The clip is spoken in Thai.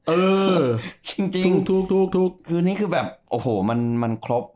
เออจริงจริงทุกทุกทุกทุกคือนี่คือแบบโอ้โหมันมันครบ